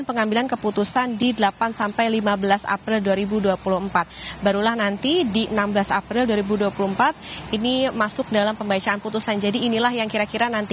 persiapan seperti apa yang dilakukan